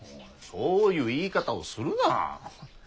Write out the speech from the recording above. そういう言い方をするな。